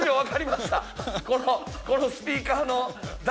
このスピーカーの。